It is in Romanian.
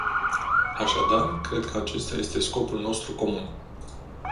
Așadar, cred că acesta este scopul nostru comun.